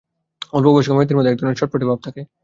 অল্পবয়স্ক মেয়েদের মধ্যে এক ধরনের ছটফটে ভাব থাকে।